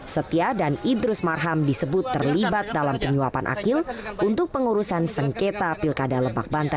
setia dan idrus marham disebut terlibat dalam penyuapan akil untuk pengurusan sengketa pilkada lebak banten